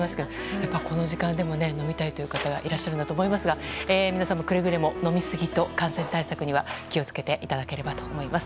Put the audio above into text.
やっぱりこの時間でもね、飲みたいという方がいらっしゃるなと思いますが、皆さんも、くれぐれも飲み過ぎと感染対策には気をつけていただければと思います。